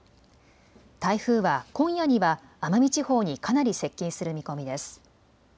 台風は今夜には奄美地方にかなり接近する見込みです。